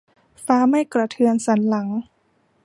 ฟ้าไม่กระเทือนสันหลัง